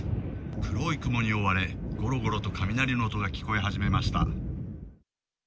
黒い雲に覆われ、ごろごろと雷の音が聞こえ始めました。